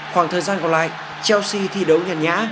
khoảng thời gian còn lại chelsea thi đấu nhàn nhã